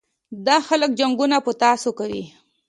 دا خلک جنګونه په تاسو کوي.